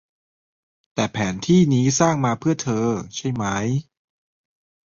แต่แผนที่นี้สร้างมาเพื่อเธอ ใช่มั้ย